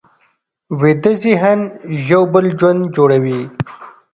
ویده ذهن یو بل ژوند جوړوي